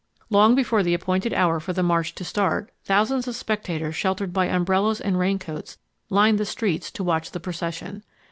Long before the appointed hour for the march to start, thousands of spectators sheltered by umbrellas and raincoats lined the streets to watch the procession.